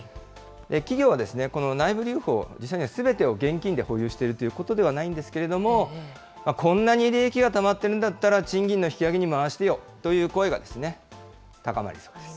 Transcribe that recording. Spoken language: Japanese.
企業はこの内部留保を実際にはすべてを現金で保有しているというわけではないんですけれども、こんなに利益がたまっているんだったら賃金の引き上げに回してよという声が高まりそうです。